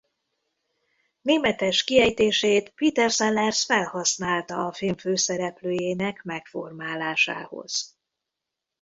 Németes kiejtését Peter Sellers felhasználta a film főszereplőjének megformálásához.